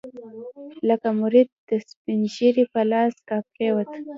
لکه مريد د سپينږيري په لاس راپرېوت.